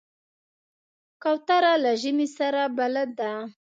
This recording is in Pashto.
کوتره له ژمي سره بلد ده.